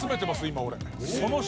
今俺。